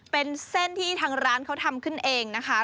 เป็นเส้นที่ทางร้านเขาทำขึ้นเองนะคะ